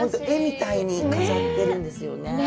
絵みたいに飾ってるんですよね。